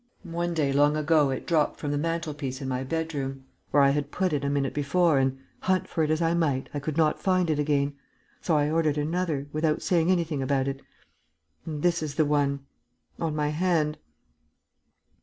One day, long ago, it dropped from the mantelpiece in my bedroom, where I had put it a minute before and, hunt for it as I might, I could not find it again. So I ordered another, without saying anything about it ... and this is the one, on my hand...."